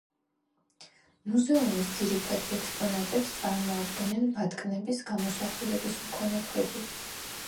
მუზეუმის ძირითად ექსპონატებს წარმოადგენენ ბატკნების გამოსახულების მქონე ქვები.